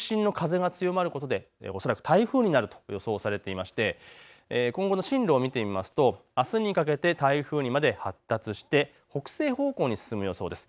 今後、この中心の風が強まることで恐らく台風になると予想されていて今後の進路を見るとあすにかけて台風にまで発達して北西方向へ進む予想です。